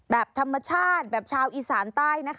แบบธรรมชาติแบบชาวอีสานใต้นะคะ